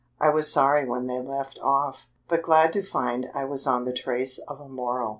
I was sorry when they left off, but glad to find I was on the trace of a moral.